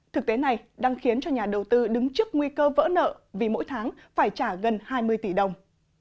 thực tế này đang khiến cho nhà đầu tư đứng trước nguy cơ vỡ nợ vì mỗi tháng phải trả gần hai mươi tỷ đồng